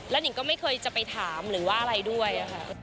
หนิงก็ไม่เคยจะไปถามหรือว่าอะไรด้วยค่ะ